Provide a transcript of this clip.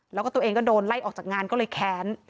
แล้วก็ตัวเองก็โดนไล่ออกจากงานก็เลยแค้น